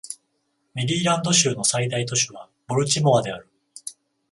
メリーランド州の最大都市はボルチモアである